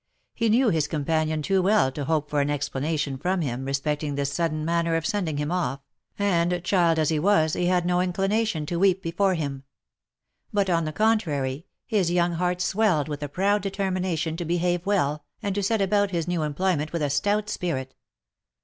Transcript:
He knew his companion too well to hope for any explanation from him respecting this sudden manner of sending him off, and child as he was, he had no inclination to weep before him; but, on the contrary, his young heart swelled with a proud determination to behave well, and to set about his new employment with a stout spirit.